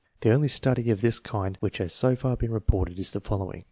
The only study of this kind which has so far been reported is the following: 2 1 C.